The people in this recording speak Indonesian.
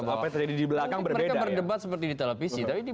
apa yang terjadi di belakang berbeda mereka berdebat seperti di televisi tapi di